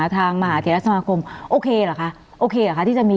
ทางมหาเถียรสมาคมโอเคหรอคะ